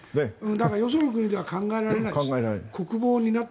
だからよその国では考えられないです。